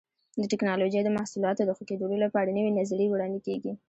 د ټېکنالوجۍ د محصولاتو د ښه کېدلو لپاره نوې نظریې وړاندې کېږي.